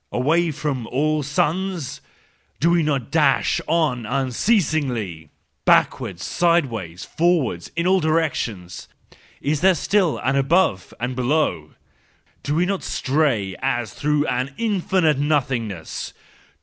Away from all suns? Do we not dash on unceasingly? Back¬ wards, sideways, forewards, in all directions? Is there still an above and below ? Do we not stray, as through infinite nothingness